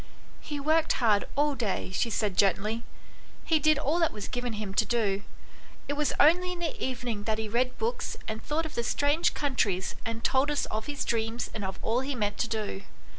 " He worked hard all day," she said gently ;" he did all that was given him to do. It was only in the evening that he read books and thought of the strange countries and told us of his dreams and of all he meant to do.